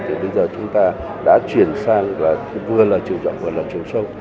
thì bây giờ chúng ta đã chuyển sang vừa là chiều rộng và vừa là chiều sâu